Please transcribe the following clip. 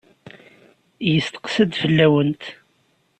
Yesteqsa-d fell-awent.